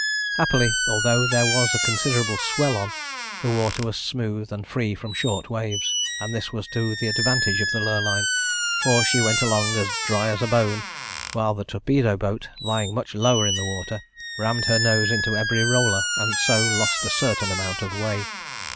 Happily, although there was a considerable swell on, the water was smooth and free from short waves, and this was to the advantage of the Lurline; for she went along "as dry as a bone," while the torpedo boat, lying much lower in the water, rammed her nose into every roller, and so lost a certain amount of way.